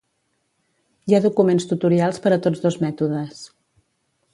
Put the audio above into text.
Hi ha documents tutorials per a tots dos mètodes.